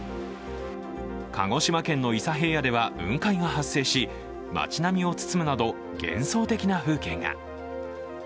鹿児島県の伊佐平野では雲海が発生し、町並みを包むなど幻想的な風景が。